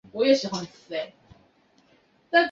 埃尔利海滩是大堡礁观光的门户之一。